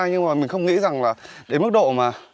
nhưng mà mình không nghĩ rằng là đến mức độ mà